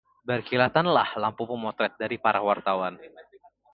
berkilatanlah lampu pemotret dari para wartawan